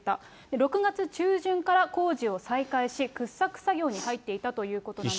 ６月中旬から工事を再開し、掘削作業に入っていたということなんですね。